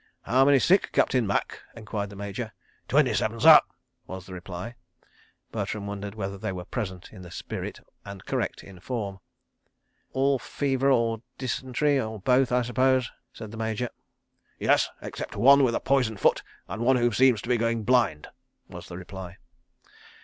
"How many sick, Captain Macke?" enquired the Major. "Twenty seven, sir," was the reply. Bertram wondered whether they were "present" in the spirit and "correct" in form. "All fever or dysentery—or both, I suppose?" said the Major. "Yes—except one with a poisoned foot and one who seems to be going blind," was the reply.